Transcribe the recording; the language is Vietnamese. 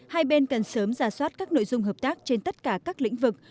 hai bên cần sớm ra soát các nội dung hợp tác trên tất cả các lĩnh vực